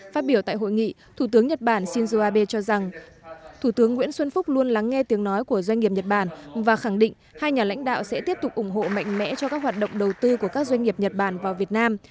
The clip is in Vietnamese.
phát biểu tại hội nghị thủ tướng nhật bản shinzo abe cho rằng thủ tướng nguyễn xuân phúc luôn lắng nghe tiếng nói của doanh nghiệp nhật bản và khẳng định hai nhà lãnh đạo sẽ tiếp tục ủng hộ mạnh mẽ cho các hoạt động đầu tư của các doanh nghiệp nhật bản vào việt nam